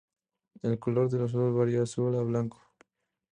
El color de la flor varía de azul a blanco.